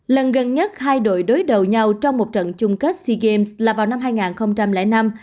lần gần nhất hai đội đối đầu nhau trong một trận chung kết sea games là vào năm hai nghìn năm